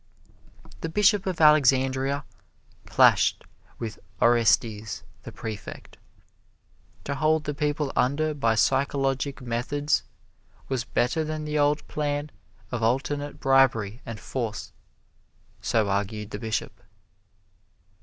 The Bishop of Alexandria clashed with Orestes the Prefect. To hold the people under by psychologic methods was better than the old plans of alternate bribery and force so argued the Bishop.